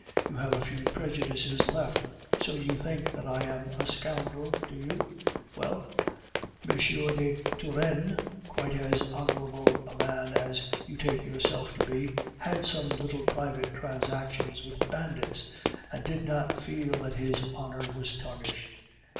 You have a few prejudices left; so you think that I am a scoundrel, do you? Well, M. de Turenne, quite as honorable a man as you take yourself to be, had some little private transactions with bandits, and did not feel that his honor was tarnished.